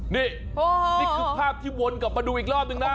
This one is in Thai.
นี่นี่คือภาพที่วนกลับมาดูอีกรอบนึงนะ